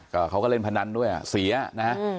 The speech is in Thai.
ก็เขาก็เล่นพนันด้วยเสียนะฮะ